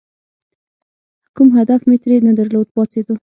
کوم هدف مې ترې نه درلود، پاڅېدو.